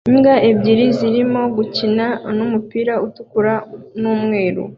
Imbwa ebyiri zirimo gukina n'umupira utukura n'umweru